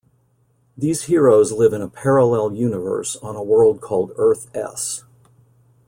These heroes live in a parallel universe on a world called Earth-S.